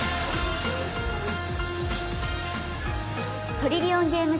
トリリオンゲーム